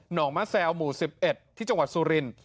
งมะแซวหมู่๑๑ที่จังหวัดสุรินทร์